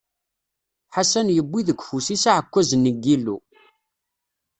Ḥasan yewwi deg ufus-is aɛekkaz-nni n Yillu.